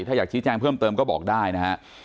ถ้าอยากชี้แจ้งเพิ่มเติมก็บอกได้นะฮะ